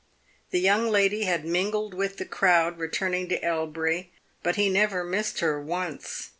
The young lady had mingled with the crowd returning to Elbury, but he never missed her once.